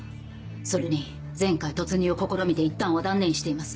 それに前回突入を試みていったんは断念しています。